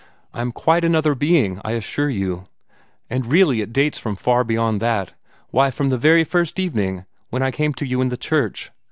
I am quite another being, I assure you! And really it dates from way beyond that why, from the very first evening, when I came to you in the church.